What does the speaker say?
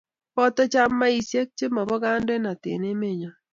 boto chamaisiek che mabo kandoinot eng' emenyo